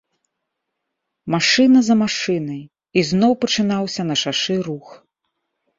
Машына за машынай, і зноў пачынаўся на шашы рух.